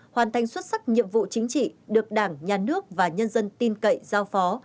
hoàn thành xuất sắc nhiệm vụ chính trị được đảng nhà nước và nhân dân tin cậy giao phó